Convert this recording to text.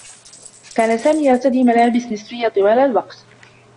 كان سامي يرتدي ملابس نسويّة طوال الوقت.